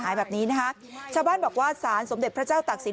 หายแบบนี้นะคะชาวบ้านบอกว่าสารสมเด็จพระเจ้าตักศิล